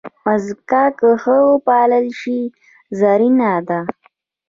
مځکه که ښه وپالل شي، زرینه ده.